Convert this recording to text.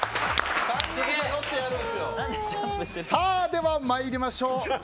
ではまいりましょう。